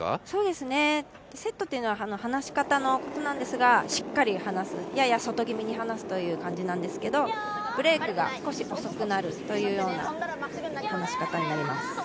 そうですね、セットというのは離し方のことなんですが、しっかり離す、やや外側に離すということなんですけどブレークが少し遅くなるというような離し方になります。